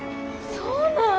そうなん？